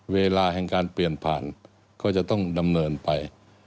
เวลาแห่งการเปลี่ยนผ่านก็จะต้องดำเนินไป